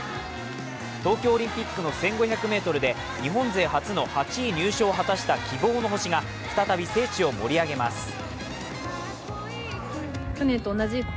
東京オリンピックの１５００ｍで日本勢初の８位入賞を果たした希望の星が再び聖地を盛り上げます。